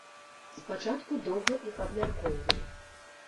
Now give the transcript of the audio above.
Спачатку доўга іх абмяркоўвалі.